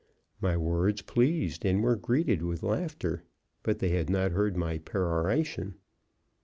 My words pleased, and were greeted with laughter. But they had not heard my peroration.